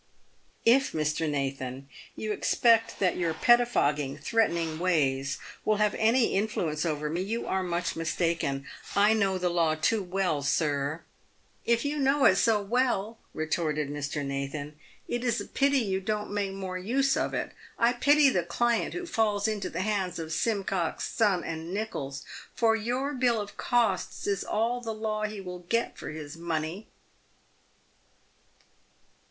" If, Mr. Nathan, you expect that your pettifogging, threatening ways will have any influence over me, you are much mistaken ; I know the law too well, sir." " If you know it so well," retorted Mr. Nathan, " it is a pity you don't make more use of it. I pity the client who falls into the hands of Simcox, Son, and Nicholls, for your bill of costs is all the law he will get for his money."